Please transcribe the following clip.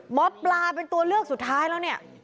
หมอปลาเป็นตัวเลือกสุดท้ายแล้วเนี่ย